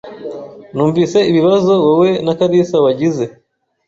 Numvise ibibazo wowe na kalisa wagize.